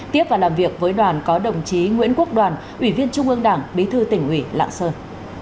tiếp và làm việc với đoàn có đồng chí nguyễn quốc đoàn ủy viên trung ương đảng bí thư tỉnh ủy lạng sơn